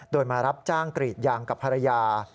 โดยมารับจ้างกรีดยางกับภรรยา